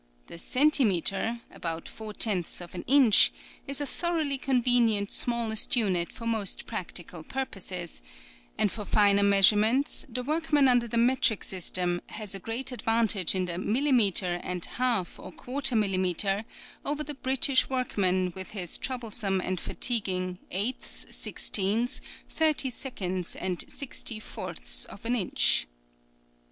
The centimetre (about four tenths of an inch) is a thoroughly con venient smallest unit for most practical pur poses; and for finer measurements the workman under the metric system has a great advantage in the millimetre and half or quarter millimetre over the British work man with his troublesome and fatiguing eighths, sixteenths, thirty seconds and six ty fourths of an inch.